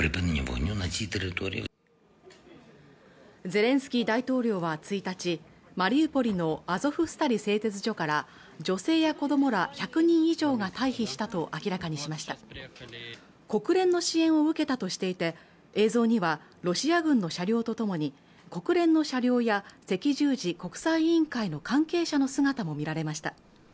ゼレンスキー大統領は１日マリウポリのアゾフスタリ製鉄所から女性や子どもら１００人以上が退避したと明らかにしました国連の支援を受けたとしていて映像にはロシア軍の車両とともに国連の車両や赤十字国際委員会の関係者の姿も見られました